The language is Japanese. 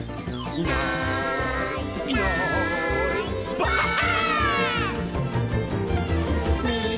「いないいないばあっ！」